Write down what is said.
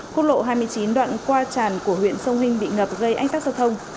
khu lộ hai mươi chín đoạn qua tràn của huyện sông hinh bị ngập gây ánh sát giao thông